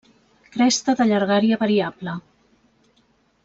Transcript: Cresta de llargària variable.